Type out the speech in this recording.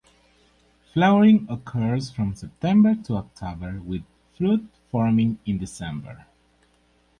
Flowering occurs from September to October with fruit forming in December.